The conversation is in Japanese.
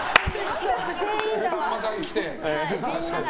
さんまさん来て確かに。